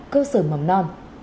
cơ sở mầm non